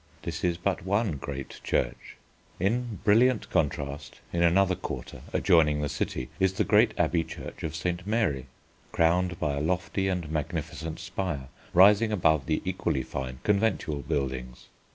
This is but one great church. In brilliant contrast in another quarter, adjoining the city, is the great abbey church of St. Mary, crowned by a lofty and magnificent spire rising above the equally fine conventual buildings.